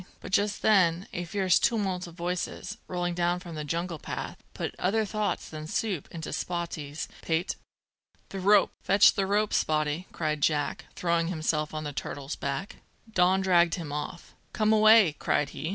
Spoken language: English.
But just then a fierce tumult of voices, rolling down from the jungle path, put other thoughts than soup into Spottie's pate. "The rope! Fetch the rope, Spottie!" cried Jack, throwing himself on the turtle's back. Don dragged him off. "Come away!" cried he.